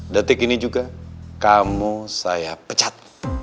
detik ini juga kamu saya pecat